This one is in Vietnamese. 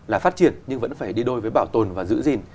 là phát triển nhưng vẫn phải đi đôi với bảo tồn và giữ gìn